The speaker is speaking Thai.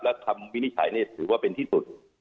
และคำวินิจฉัยนี่ถือว่าเป็นที่สุด